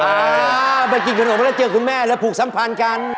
อ้าอเมื่อกี้กินขนมมันได้เจอคุณแม่แล้วปลูกสัมภัณฑ์กัน